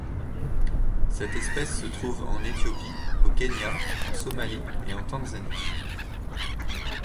Cette espèce se trouve en Éthiopie, au Kenya, en Somalie et en Tanzanie.